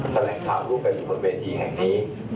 แหล่งขาวรูปเป็นส่วนเวทีแห่งนี้